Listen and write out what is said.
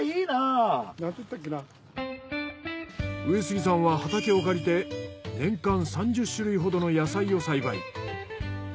上杉さんは畑を借りて年間３０種類ほどの野菜を栽培。